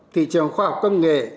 thị trường khoa học công nghệ